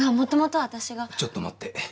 ちょっと待って。